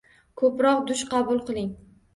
Ko`proq dush qabul qiling